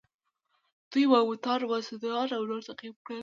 دوی ماموتان، ماستودان او نور تعقیب کړل.